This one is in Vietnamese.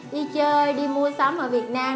đi chơi đi mua sắm ở việt nam